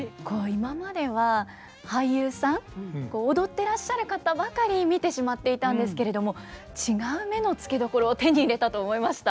今までは俳優さん踊ってらっしゃる方ばかり見てしまっていたんですけれども違う目の付けどころを手に入れたと思いました。